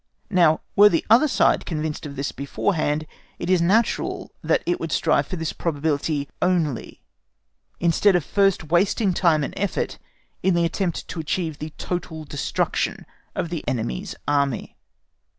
Now, were the other side convinced of this beforehand, it is natural that he would strive for this probability only, instead of first wasting time and effort in the attempt to achieve the total destruction of the enemy's Army.